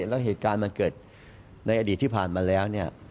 แล้วเหตุการณ์มันเกิดในอดีตที่ผ่านมาแล้วเนี่ย